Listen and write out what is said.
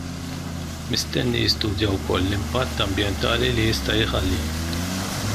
Mistenni jistudja wkoll l-impatt ambjentali li jista' jħalli.